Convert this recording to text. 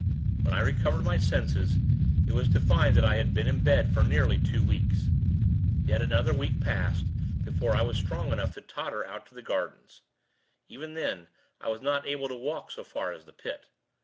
When I recovered my senses, it was to find that I had been in bed for nearly two weeks. Yet another week passed, before I was strong enough to totter out into the gardens. Even then, I was not able to walk so far as the Pit.